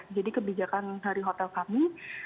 jadi kebijakan hari hotel kami